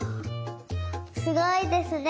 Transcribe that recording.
すごいですね！